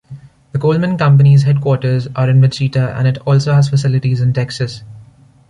The Coleman Company's headquarters are in Wichita, and it also has facilities in Texas.